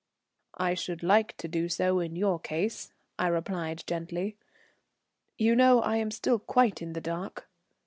"I should like to do so in your case," I replied gently. "You know I am still quite in the dark."